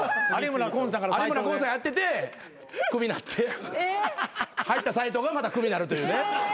有村昆さんやってて首になって入った斉藤がまた首になるというね。